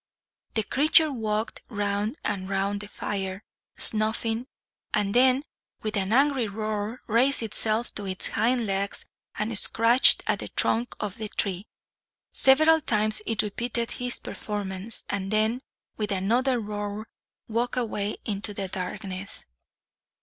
The creature walked round and round the fire, snuffing; and then, with an angry roar, raised itself on its hind legs and scratched at the trunk of the tree. Several times it repeated this performance; and then, with another roar, walked away into the darkness.